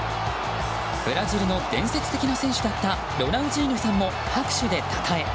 ブラジルの伝説的な選手だったロナウジーニョさんも拍手でたたえ